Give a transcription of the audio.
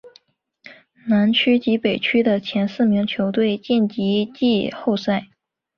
南区及北区的前四名球队晋级季后赛。